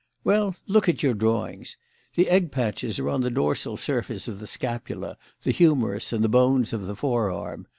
"Well, look at your drawings. The egg patches are on the dorsal surface of the scapula, the humerus, and the bones of the fore arm.